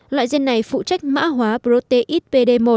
loại gen này phụ trách mã hóa proteic pd một